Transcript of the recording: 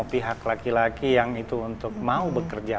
ini adalah untuk laki laki yang mau bekerja